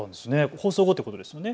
放送後ということですね。